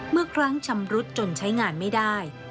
เมื่อครั้งชำรุดจนใช้งานไม่ได้